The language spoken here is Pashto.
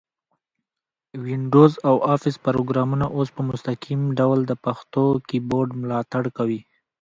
وینډوز او افس پروګرامونه اوس په مستقیم ډول د پښتو کیبورډ ملاتړ کوي.